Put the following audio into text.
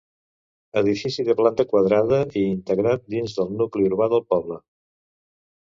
Edifici de planta quadrada i integrat dins del nucli urbà del poble.